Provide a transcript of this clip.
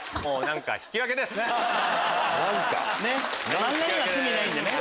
漫画には罪ないんでね。